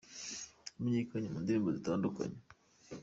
yamenyekanye mu ndirimbo zitandukanye